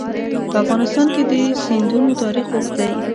په افغانستان کې د سیندونه تاریخ اوږد دی.